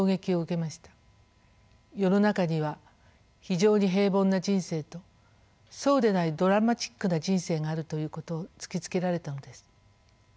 世の中には非常に平凡な人生とそうでないドラマチックな人生があるということを突きつけられたのです。